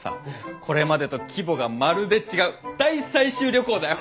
これまでと規模がまるで違う大採集旅行だよ！